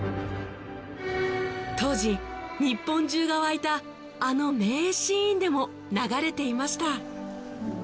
当時日本中が沸いたあの名シーンでも流れていました